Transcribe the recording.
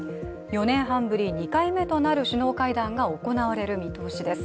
４年半ぶり、２回目となる首脳会談が行われる見通しです。